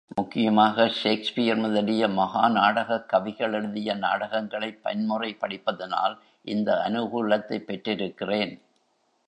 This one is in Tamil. முக்கியமாக ஷேக்ஸ்பியர் முதலிய மஹா நாடகக் கவிகள் எழுதிய நாடகங்களைப் பன்முறை படிப்பதனால் இந்த அனுகூலத்தைப் பெற்றிருக்கிறேன்.